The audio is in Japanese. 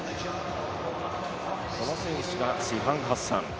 この選手はシファン・ハッサン。